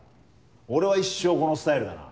俺は一生このスタイルだな。